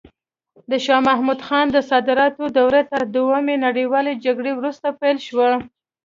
د شاه محمود خان د صدارت دوره تر دوهمې نړیوالې جګړې وروسته پیل شوه.